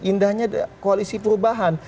indahnya koalisi perubahan